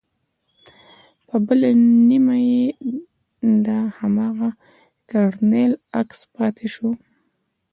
پر بله نيمه يې د هماغه کرنيل عکس پاته سو.